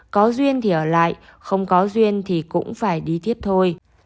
có duyên thì ở lại không có duyên thì cũng phải đi tiếp thôi